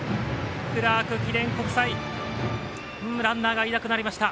クラーク記念国際ランナーがいなくなりました。